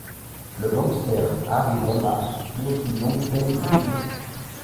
Le gangster Harry Lomart purge une longue peine de prison.